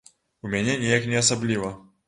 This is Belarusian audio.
У мяне неяк не асабліва.